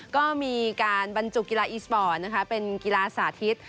ก็มีการบรรจุกีฬาอีสปอร์ตนะคะเป็นกีฬาสาธิต